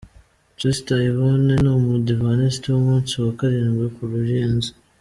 Sister Yvonne ni umudivantiste w'umunsi wa karindwi ku Ruyenzi.